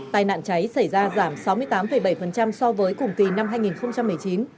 tài nạn cháy xảy ra giảm sáu mươi tám bảy so với cùng kỳ năm hai nghìn một mươi chín